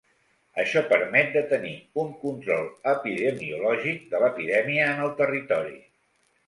Això permet de tenir un control epidemiològic de l’epidèmia en el territori.